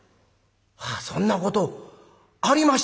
ああそんなことありましたな」。